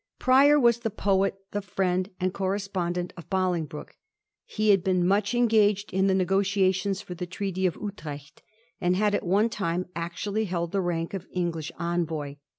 Prior was the poet, the Mend and correspondent of Bolingbroke. He had been much engaged in the negotiations for the Treaty of Utrecht, and had at one time actually held the rank of English Envoy.